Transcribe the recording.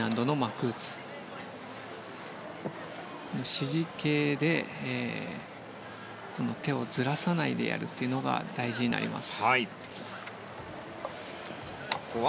支持系で手をずらさないでやるのが大事になります。